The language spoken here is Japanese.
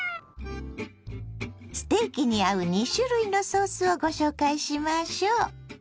ステーキに合う２種類のソースをご紹介しましょう。